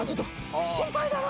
心配だな。